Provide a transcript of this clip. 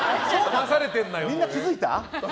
みんな気付いた？